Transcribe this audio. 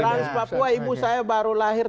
trans papua ibu saya baru lahir